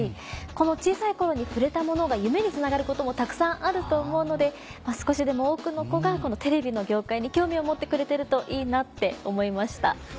小さい頃に触れたものが夢につながることもたくさんあると思うので少しでも多くの子がこのテレビの業界に興味を持ってくれてるといいなって思いました。